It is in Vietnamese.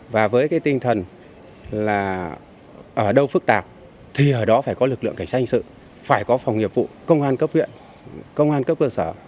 và với cái tinh thần là ở đâu phức tạp thì ở đó phải có lực lượng cảnh sát hình sự phải có phòng nghiệp vụ công an cấp huyện công an cấp cơ sở